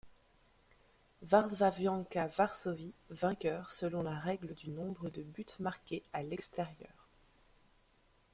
Warszawianka Varsovie vainqueur selon la règle du nombre de buts marqués à l'extérieur.